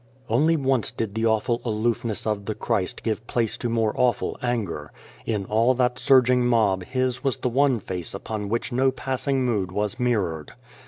Only once did the awful aloofness of the Christ give place to more awful anger. In all that surging mob His was the one face upon which no passing mood was mirrored.